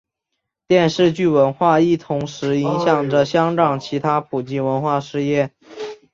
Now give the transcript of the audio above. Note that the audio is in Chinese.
电视剧文化亦同时影响着香港其他普及文化事业。